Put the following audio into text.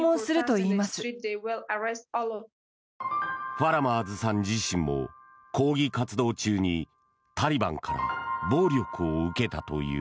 ファラマーズさん自身も抗議活動中にタリバンから暴力を受けたという。